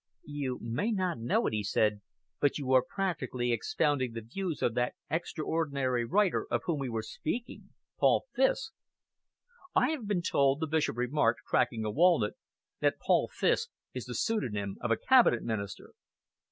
"You may not know it," he said, "but you are practically expounding the views of that extraordinary writer of whom we were speaking Paul Fiske." "I have been told," the Bishop remarked, cracking a walnut, "that Paul Fiske is the pseudonym of a Cabinet Minister."